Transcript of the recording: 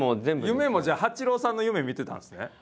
夢もじゃあ八郎さんの夢見てたんですね？